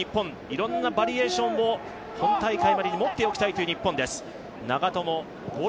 いろんなバリエーションを本大会までに持っておきたいという日本です。